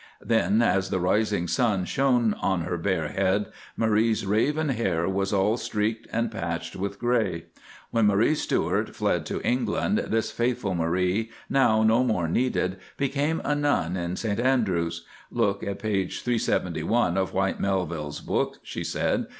Then as the rising sun shone on her bare head, Marie's raven hair was all streaked and patched with grey. When Mary Stuart fled to England, this faithful Marie, now no more needed, became a nun in St Andrews. Look at page 371 of Whyte Melville's book," she said.